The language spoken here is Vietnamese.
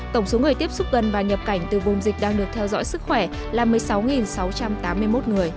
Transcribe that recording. tổng số người tiếp xúc gần và nhập cảnh từ vùng dịch đang được theo dõi sức khỏe là một mươi sáu sáu trăm tám mươi một người